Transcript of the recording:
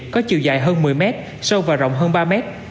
có chiều dài hơn một mươi mét sâu và rộng hơn ba mét